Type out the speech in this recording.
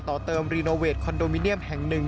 ต่อเติมรีโนเวทคอนโดมิเนียมแห่งหนึ่ง